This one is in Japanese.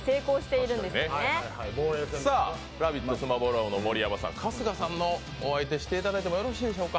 スマブラ王の盛山さん、春日さんのお相手していただいてもよろしいでしょうか。